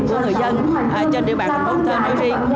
của người dân trên địa bàn thành phố cần thơ nói riêng